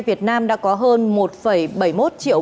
việt nam đã có hơn một bảy mươi một triệu